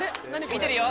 見てるよ。